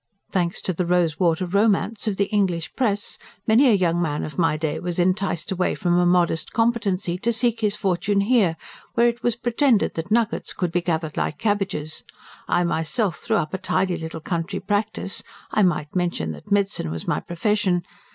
"Thanks to the rose water romance of the English press, many a young man of my day was enticed away from a modest competency, to seek his fortune here, where it was pretended that nuggets could be gathered like cabbages I myself threw up a tidy little country practice.... I might mention that medicine was my profession.